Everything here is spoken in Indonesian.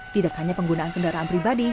tidak hanya penggunaan kendaraan pribadi